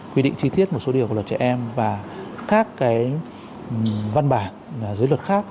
quy định chi tiết một số điều của luật trẻ em và các văn bản dưới luật khác